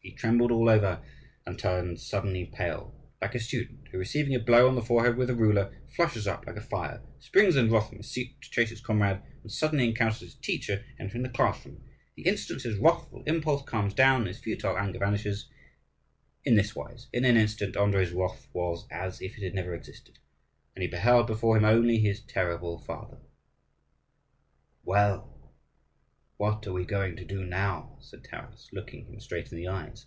He trembled all over, and turned suddenly pale, like a student who, receiving a blow on the forehead with a ruler, flushes up like fire, springs in wrath from his seat to chase his comrade, and suddenly encounters his teacher entering the classroom; in the instant his wrathful impulse calms down and his futile anger vanishes. In this wise, in an instant, Andrii's wrath was as if it had never existed. And he beheld before him only his terrible father. "Well, what are we going to do now?" said Taras, looking him straight in the eyes.